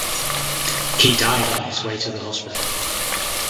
He died on his way to the hospital.